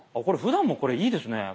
これふだんもこれいいですね。